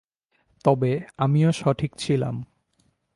তবে আমিও সঠিক ছিলাম।